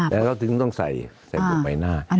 แล้วก็ถึงต้องใส่ใบหน้า